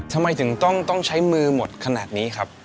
ทำไมถึงต้องใช้มือหมดขนาดนี้ครับ